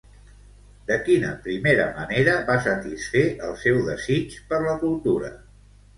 De quina primera manera va satisfer el seu desig per la cultura?